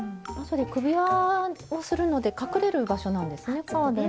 首輪をするので隠れる場所なんですね。